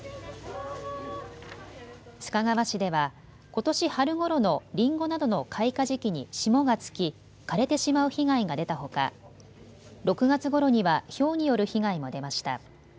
須賀川市ではことし春ごろのりんごなどの開花時期に霜がつき枯れてしまう被害が出たほか６月ごろにはひょうによる被害も出ました。